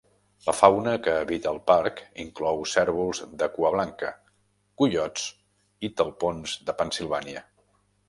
La fauna que habita al parc inclou cérvols de cua blanca, coiots i talpons de Pennsilvània.